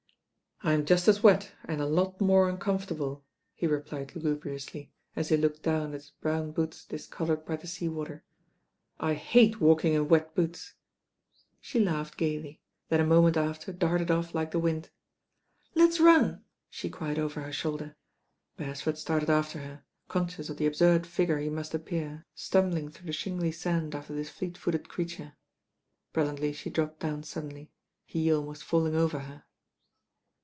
"I'm just as wet, and a lot more uncomfortable," he replied lugubriously, as he looked down at his brown boots discoloured by the sea water. "7 ^ate walking in wet boots.'* 194 THE RAIN GIRL She laughed gaily, then a moment after darted oflF like the wind. "Let's run," she cried over her shoulder. Beresford started after her, conscious of the absurd figure he must appear stumbling through the shingly sand after this fleet footed creature. Presently she dropped down suddenly, he almost falling over her.